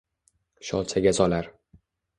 sholchaga solar